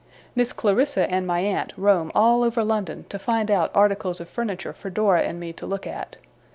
Miss Clarissa and my aunt roam all over London, to find out articles of furniture for Dora and me to look at.